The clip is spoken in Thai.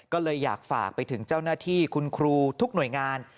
ก็เลยอยากฝากไปถึงเจ้าหน้าที่คุณครูทุกหน่วยงาน